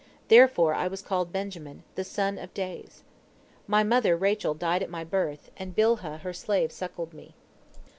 Therefore I was called Benjamin, 'the son of days.' My mother Rachel died at my birth, and Bilhah her slave suckled me.